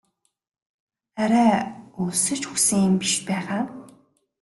Арай өлсөж үхсэн юм биш байгаа?